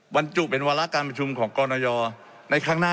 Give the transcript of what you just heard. วันจุเป็นเวลาการประชุมของกนยในครั้งหน้า